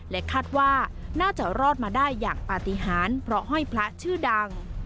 คาดว่าน่าจะรอดมาได้อย่างปฏิหารเพราะห้อยพระชื่อดัง